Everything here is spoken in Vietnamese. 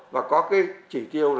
và có cái chỉ tiêu